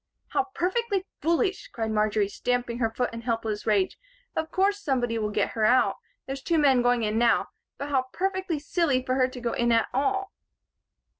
"How perfectly foolish!" cried Marjory, stamping her foot in helpless rage. "Of course somebody'll get her out there's two men going in now but how perfectly silly for her to go in at all!"